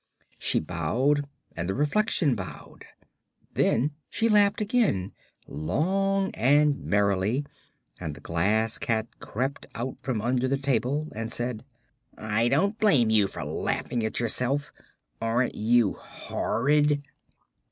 She bowed, and the reflection bowed. Then she laughed again, long and merrily, and the Glass Cat crept out from under the table and said: "I don't blame you for laughing at yourself. Aren't you horrid?"